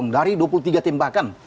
dari dua puluh tiga tembakan